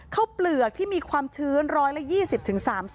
เปลือกที่มีความชื้น๑๒๐๓๐